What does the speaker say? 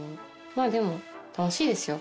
でも楽しいですよ。